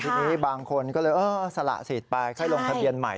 ทีนี้บางคนก็เลยเออสละสิทธิ์ไปค่อยลงทะเบียนใหม่